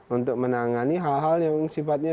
untuk menangani hal hal yang sifatnya